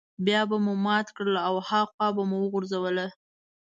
بيا به مو ماته کړه او هاخوا به مو وغورځوله.